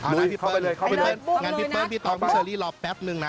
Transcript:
บุบลุยนะกำลังพี่เปิ้ลพี่ต้องพี่เซอรี่รอแป๊บหนึ่งนะ